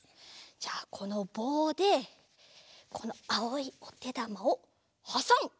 じゃこのぼうでこのあおいおてだまをはさむ！